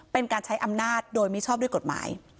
เป็นการใช้อำนาจโดยมิชอบด้วยกฎหมาย